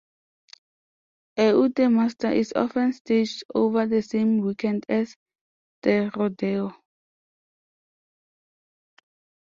A ute muster is often staged over the same weekend as the rodeo.